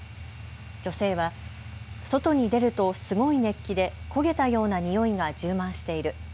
女性は外に出るとすごい熱気で焦げたような臭いが充満している。